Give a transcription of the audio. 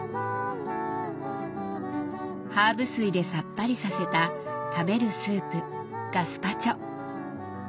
ハーブ水でさっぱりさせた食べるスープ「ガスパチョ」。